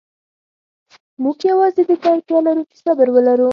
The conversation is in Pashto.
موږ یوازې دې ته اړتیا لرو چې صبر ولرو.